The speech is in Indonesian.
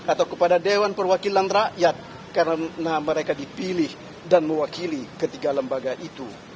atau kepada dewan perwakilan rakyat karena mereka dipilih dan mewakili ketiga lembaga itu